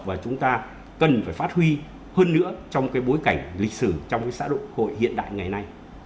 và chúng ta cần phải phát huy hơn nữa trong cái bối cảnh lịch sử trong cái xã hội hiện đại ngày nay